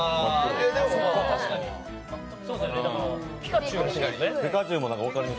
確かに。